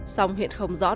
sông hiện không rõ nội các